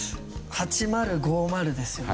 ８０５０ですよね？